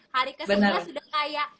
hari kesempatan udah kayak